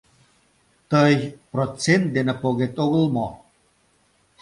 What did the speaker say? — Тый процент дене погет огыл мо?